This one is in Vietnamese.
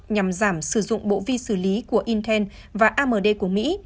nhằm giảm sử dụng bộ vi xử lý của inten và amd của mỹ